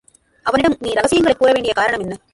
அவனிடம் நீ இரகசியங்களைக் கூறவேண்டிய காரணம் என்ன?